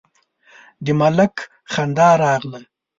د ملک خندا راغله: